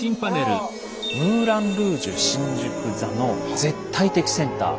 「ムーラン・ルージュ新宿座」の絶対的センター